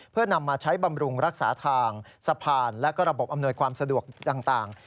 เพื่อนำมาใช้บำรุงรักษาทางสะพานและก็ระบบอำนวยความสะดวกต่าง